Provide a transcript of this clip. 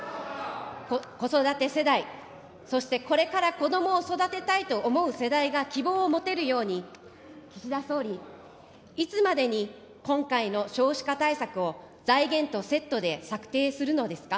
子育て世代、そしてこれからこどもを育てたいと思う世代が希望を持てるように、岸田総理、いつまでに今回の少子化対策を、財源とセットで策定するのですか。